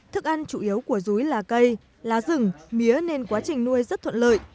thức ăn chủ yếu của rúi là cây lá rừng mía nên quá trình nuôi rất thuận lợi